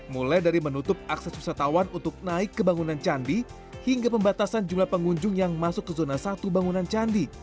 mulai dari menutup akses wisatawan untuk naik ke bangunan candi hingga pembatasan jumlah pengunjung yang masuk ke zona satu bangunan candi